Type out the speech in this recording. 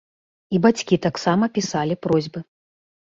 І бацькі таксама пісалі просьбы.